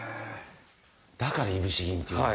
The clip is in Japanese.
だからいぶし銀っていうんだ。